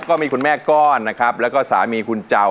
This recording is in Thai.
ก็มีคุณแม่ก้อนนะครับแล้วก็สามีคุณเจ้า